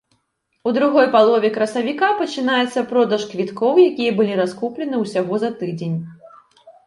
У другой палове красавіка пачынаецца продаж квіткоў, якія былі раскуплены ўсяго за тыдзень.